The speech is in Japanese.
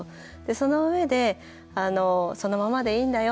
そのうえでそのままでいいんだよ